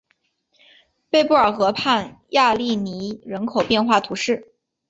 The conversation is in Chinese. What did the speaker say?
贝布尔河畔雅利尼人口变化图示